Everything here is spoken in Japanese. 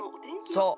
そう。